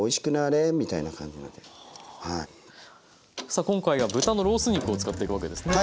さあ今回は豚のロース肉を使っていくわけですね。